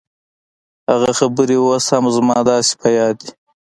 هغه خبرې اوس هم زما داسې په ياد دي.